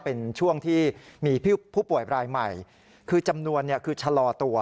ผู้ป่วยปลายใหม่คือจำนวนคือชะลอตัว